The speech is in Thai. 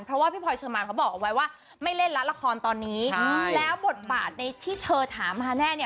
เพราะว่าพี่พอยเชิญมาเขาบอกไว้ว่าไม่เล่นละละครตอนนี้แล้วบทบาทที่เชิญถามมาแน่